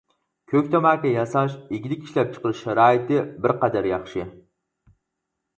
كۆك تاماكا ياساش ئىگىلىك ئىشلەپچىقىرىش شارائىتى بىر قەدەر ياخشى.